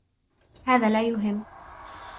هذا لا يهم.